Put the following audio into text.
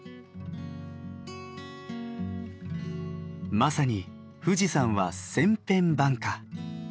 まさに富士山は千変万化。